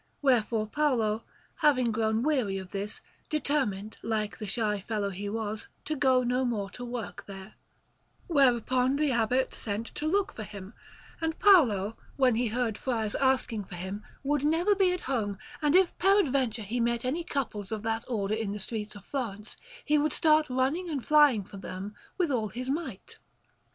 Wherefore Paolo, having grown weary of this, determined, like the shy fellow that he was, to go no more to work there; whereupon the Abbot sent to look for him, and Paolo, when he heard friars asking for him, would never be at home, and if peradventure he met any couples of that Order in the streets of Florence, he would start running and flying from them with all his might.